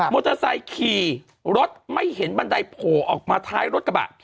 มอเตอร์ไซค์ขี่รถไม่เห็นบันไดโผล่ออกมาท้ายรถกระบะ